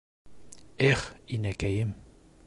Эх, инәкәйем!